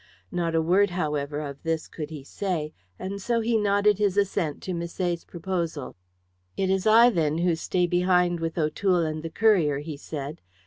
Not a word, however, of this could he say, and so he nodded his assent to Misset's proposal. "It is I, then, who stay behind with O'Toole and the courier," he said.